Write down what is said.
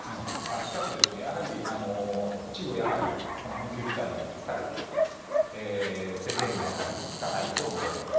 しかし、やはり一部やはり、この緊急事態に疲れている、制限の効かないところもございます。